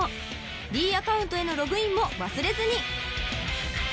［ｄアカウントへのログインも忘れずに］